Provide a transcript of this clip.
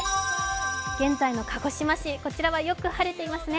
現在の鹿児島市、こちらはよく晴れていますね。